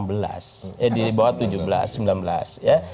ya di bawah tujuh belas sembilan belas ya